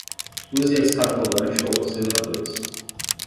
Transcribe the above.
Use a escada rolante ou os elevadores